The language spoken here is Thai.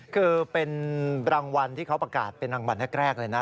คือเป็นรางวัลที่เขาประกาศเป็นรางวัลแรกเลยนะ